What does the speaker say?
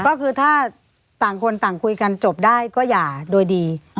ก็คือถ้าต่างคนต่างคุยกันจบได้ก็หย่าโดยดี